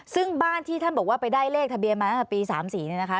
ซึ่งบ้านที่ท่านบอกว่าไปได้เลขทะเบียนมาตั้งแต่ปี๓๔เนี่ยนะคะ